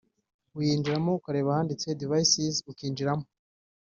uyinjiramo ukareba ahanditse ’Devices’ ukinjiramo